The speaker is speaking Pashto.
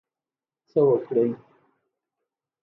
څه وکړی.